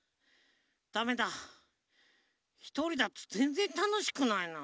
だめだひとりだとぜんぜんたのしくないな。